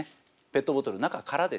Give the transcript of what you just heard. ペットボトル中空です。